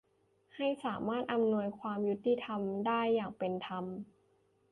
ให้สามารถอำนวยความยุติธรรมได้อย่างเป็นธรรม